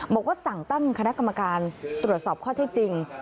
บอกว่าสั่งตั้งคณะกรรมการตรวจสอบข้อเท็จจริง